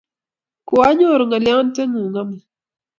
kionyoru ngolionte ngung amut.